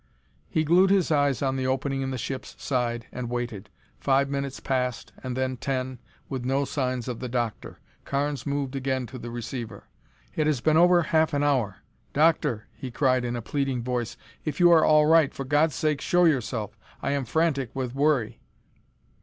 He glued his eyes on the opening in the ship's side and waited. Five minutes passed, and then ten, with no signs of the Doctor. Carnes moved again to the receiver. "It has been over half an hour. Doctor," he cried in a pleading voice. "If you are all right, for God's sake show yourself. I am frantic with worry."